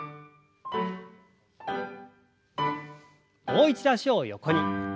もう一度脚を横に。